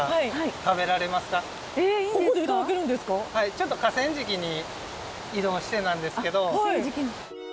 ちょっと河川敷に移動してなんですけど。